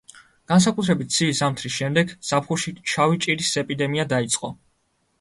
განსაკუთრებით ცივი ზამთრის შემდეგ, ზაფხულში შავი ჭირის ეპიდემია დაიწყო.